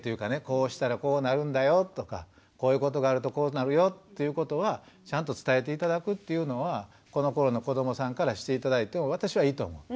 こうしたらこうなるんだよとかこういうことがあるとこうなるよっていうことはちゃんと伝えて頂くというのはこのころの子どもさんからして頂いても私はいいと思う。